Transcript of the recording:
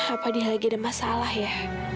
apa dia lagi ada masalah ya